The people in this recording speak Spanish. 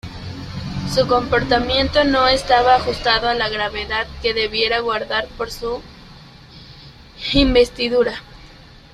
Su comportamiento no estaba ajustado a la gravedad que debiera guardar por su investidura.